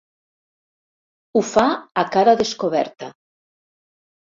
Ho fa a cara descoberta.